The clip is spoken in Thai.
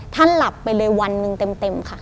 หลับไปเลยวันหนึ่งเต็มค่ะ